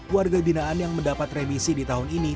warga binaan yang mendapat remisi di tahun ini